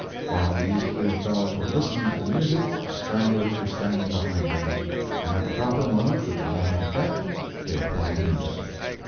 While these poor fellows were listening to the music the stranglers were standing behind them; and at the proper moment for dramatic effect they applied the noose.